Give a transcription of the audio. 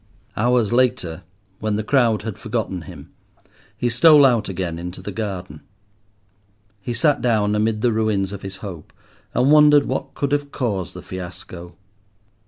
Hours later, when the crowd had forgotten him, he stole out again into the garden. He sat down amid the ruins of his hope, and wondered what could have caused the fiasco.